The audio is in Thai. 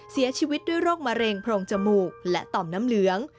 เสียชีวิตด้วยโรคมะเร็งโพรงจมูกและต่อมน้ำเหลือง